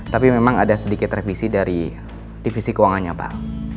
tapi memang ada sedikit revisi dari divisi keuangannya pak